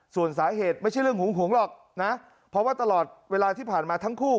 ส่วนสาเหตุไม่ใช่เรื่องหึงหวงหรอกนะเพราะว่าตลอดเวลาที่ผ่านมาทั้งคู่